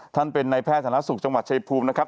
ท่านเป็นนายแพทย์สาธารณสุขจังหวัดชายภูมินะครับ